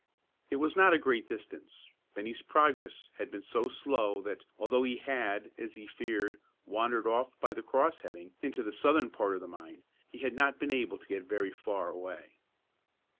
It was not a great distance; Bennie's progress had been so slow that, although he had, as he feared, wandered off by the cross heading into the southern part of the mine, he had not been able to get very far away.